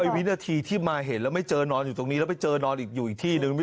วินาทีที่มาเห็นแล้วไม่เจอนอนอยู่ตรงนี้แล้วไปเจอนอนอีกอยู่อีกที่นึง